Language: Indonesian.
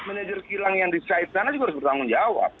manajer kilang yang di site sana juga harus bertanggung jawab